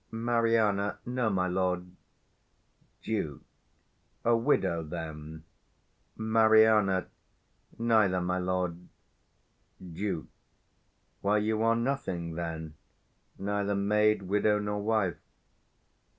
Mari. No, my lord. Duke. A widow, then? 175 Mari. Neither, my lord. Duke. Why, you are nothing, then: neither maid, widow, nor wife?